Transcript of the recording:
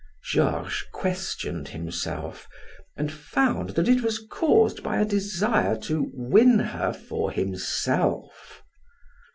Georges questioned himself, and found that it was caused by a desire to win her for himself.